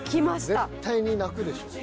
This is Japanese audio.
絶対に泣くでしょ。